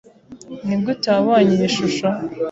Nigute wabonye iyi shusho?